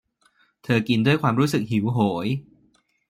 เธอกินด้วยความรู้สึกหิวโหย